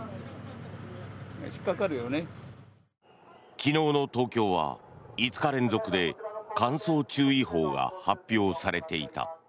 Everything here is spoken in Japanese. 昨日の東京は５日連続で乾燥注意報が発表されていた。